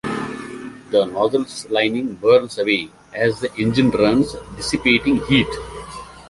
The nozzle's lining burns away as the engine runs, dissipating heat.